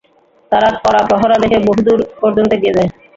তারা কড়া প্রহরা দেখে বহুদূর পর্যন্ত এগিয়ে যায়।